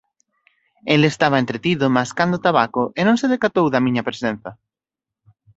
El estaba entretido mascando tabaco e non se decatou da miña presenza.